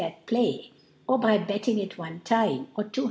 at Play, or by Betting at any one Time, or 2o